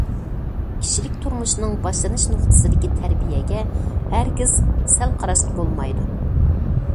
كىشىلىك تۇرمۇشنىڭ باشلىنىش نۇقتىسىدىكى تەربىيەگە ھەرگىز سەل قاراشقا بولمايدۇ.